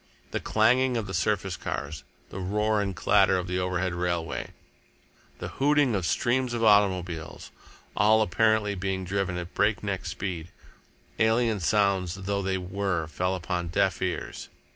The clanging of the surface cars, the roar and clatter of the overhead railway, the hooting of streams of automobiles, all apparently being driven at breakneck speed, alien sounds though they were, fell upon deaf ears.